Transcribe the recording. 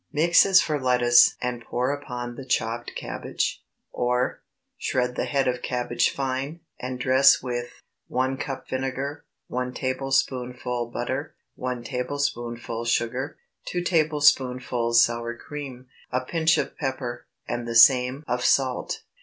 Mix as for lettuce and pour upon the chopped cabbage. Or, ✠ Shred the head of cabbage fine, and dress with— 1 cup vinegar. 1 tablespoonful butter. 1 tablespoonful sugar. 2 tablespoonfuls sour cream. A pinch of pepper, and the same of salt.